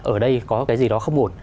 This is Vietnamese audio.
ở đây có cái gì đó không ổn